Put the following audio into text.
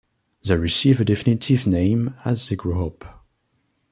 They receive a definitive name as they grow up.